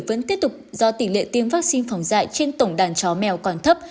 vẫn tiếp tục do tỷ lệ tiêm vaccine phòng dạy trên tổng đàn chó mèo còn thấp